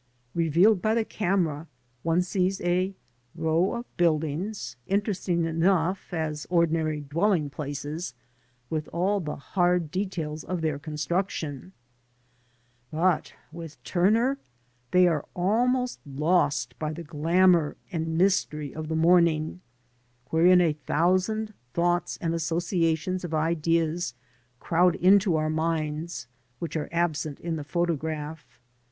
Revealed by the camera, one sees a row of buildings, interesting enough as ordinary dwelling places, with all the hard details of their construction; but with Turner, they are almost lost by the glamour and mystery of the morning, wherein a thousand thoughts and associations of ideas crowd into our minds which are absent in the photograph.